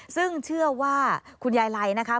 ซึ่งเชื่อว่าคุณยายไลนะคะ